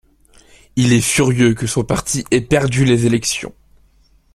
Il est furieux que son parti ait perdu les élections.